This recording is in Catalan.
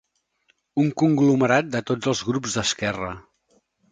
Un conglomerat de tots els grups d'esquerra.